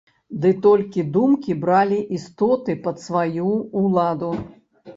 Ды толькі думкі бралі істоты пад сваю ўладу.